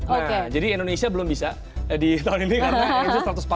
nah jadi indonesia belum bisa di tahun ini karena itu satu ratus empat puluh lima kalau nggak salah